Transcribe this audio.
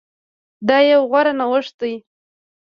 دا يو غوره نوښت ده